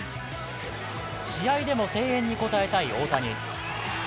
試合でも声援に応えたい大谷。